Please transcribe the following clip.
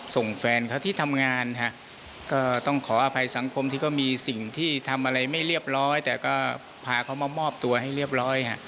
สังคมที่ก็มีสิ่งที่ทำอะไรไม่เรียบร้อยแต่ก็พาเขามามอบตัวให้เรียบร้อยค่ะ